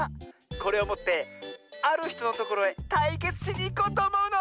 これをもってあるひとのところへたいけつしにいこうとおもうの！